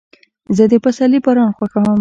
زه د پسرلي باران خوښوم.